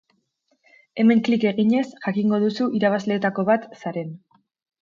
Hemen klik eginez jakingo duzu irabazleetako bat zaren.